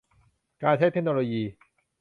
การใช้เทคโนโลยี